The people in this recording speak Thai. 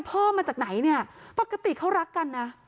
พ่อมาจากไหนเนี่ยปกติเขารักกันนะ